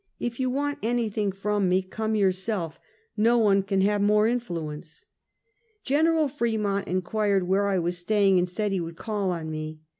If you want any thing from me, come yourself, l^o one can have more influence." Gen. Fremont inquired where I was staying, and said he would call on me.